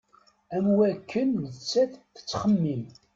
Am wakken nettat tettxemmim.